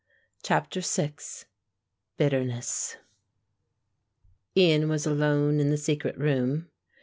CHAPTER VI BITTERNESS Ian was alone in the secret room.